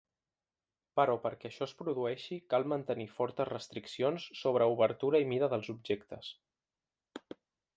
Però perquè això es produeixi cal mantenir fortes restriccions sobre obertura i mida dels objectes.